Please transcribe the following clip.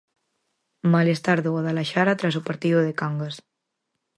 Malestar do Guadalaxara tras o partido de Cangas.